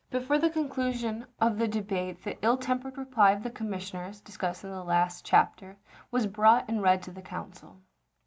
Before the conclusion of the debate the ill tempered reply of the commissioners, de scribed in the last chapter, was brought and read to the council.